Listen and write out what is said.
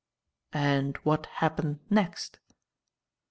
"And what happened next?"